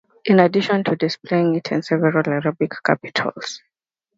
In addition to displaying it in several Arab capitals.